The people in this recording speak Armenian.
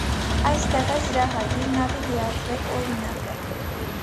Այստեղ է զրահակիր նավի լիարժեք օրինակը։